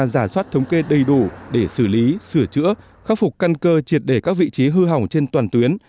giả soát thống kê đầy đủ để xử lý sửa chữa khắc phục căn cơ triệt để các vị trí hư hỏng trên toàn tuyến